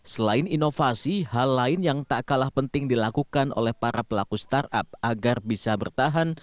selain inovasi hal lain yang tak kalah penting dilakukan oleh para pelaku startup agar bisa bertahan